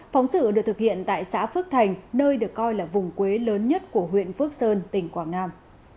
phóng sự được thực hiện tại xã phước thành nơi được coi là vùng quê lớn nhất của huyện phước sơn tỉnh quảng nam